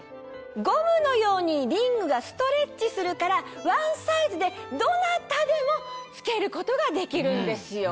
ゴムのようにリングがストレッチするからワンサイズでどなたでも着けることができるんですよ。